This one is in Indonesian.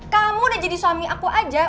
kamu udah jadi suami aku aja